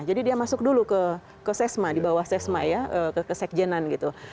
jadi dia masuk dulu ke sesma di bawah sesma ya ke sekjenan gitu